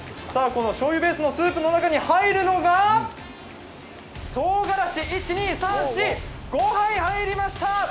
しょうゆベースのスープの中に入るのが、とうがらし、５杯入りました！